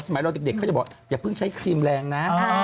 เราเด็กเขาจะบอกอย่าเพิ่งใช้ครีมแรงนะ